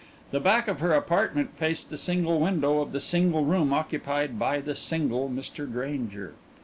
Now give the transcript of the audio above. The back of her apartment faced the single window of the single room occupied by the single Mr. Grainger.